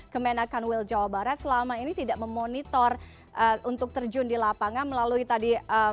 kemenakan wil jawa barat selama ini tidak hanya terjadi di atas kertas monitoring itu juga harus terjun ke lapangan artinya apa yang dilakukan oleh